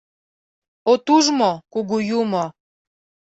— От уж мо, кугу юмо?